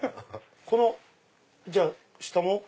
このじゃあ下も？